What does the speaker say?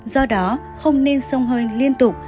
do đó không nên sông hơi liên tục